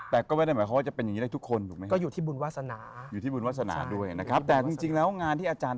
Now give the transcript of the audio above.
แต่จริงแล้วงานที่อาจารย์